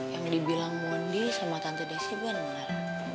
yang dibilang mondi sama tante desiban malah